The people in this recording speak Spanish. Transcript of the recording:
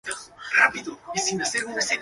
Para ese partido se utilizaron equipos de Albion.